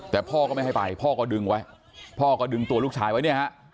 แต่พ่อก็ไม่ให้ไปพ่อก็ดึงไว้พ่อก็ดึงตัวลูกชายไว้เนี่ยฮะ